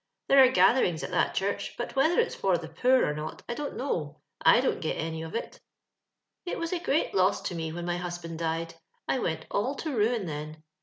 There are gatherings at that church, but whether it's for the poor or not I dont know. / don't get any of it %" It was a great loss to me when my husband died ; I wenf all to ruin then.